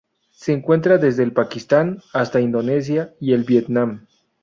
Se encuentra desde el Pakistán hasta Indonesia y el Vietnam.